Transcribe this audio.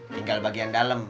tinggal bagian dalem